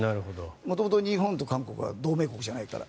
元々、日本と韓国は同盟国じゃないから。